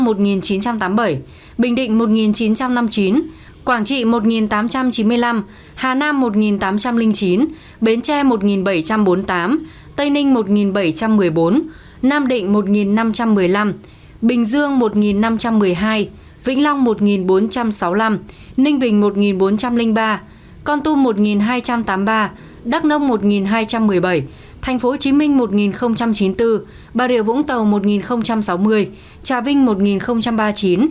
bình định một chín trăm năm mươi chín quảng trị một tám trăm chín mươi năm hà nam một tám trăm linh chín bến tre một bảy trăm bốn mươi tám tây ninh một bảy trăm một mươi bốn nam định một năm trăm một mươi năm bình dương một năm trăm một mươi hai vĩnh long một bốn trăm sáu mươi năm ninh bình một bốn trăm linh ba con tum một hai trăm tám mươi ba đắk nông một hai trăm một mươi bảy thành phố hồ chí minh một chín mươi bốn bà rịa vũng tàu một sáu mươi trà vinh một ba mươi chín